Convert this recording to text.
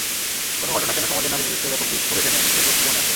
কোন ঘটনা কেন সমাজের নারী-পুরুষকে ব্যাপক বিক্ষোভে টেনে আনে, সেই প্রশ্ন মনে আসে।